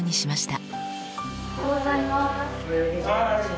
おはようございます。